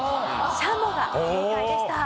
しゃもが正解でした。